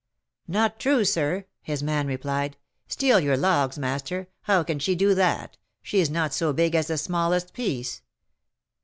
"'Not true, sir,' his man replied. 'Steal your logs, master! How can she do that? She is not so big as the smallest piece!'